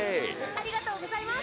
ありがとうございます！